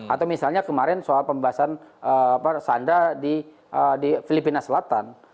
atau misalnya kemarin soal pembahasan sanda di filipina selatan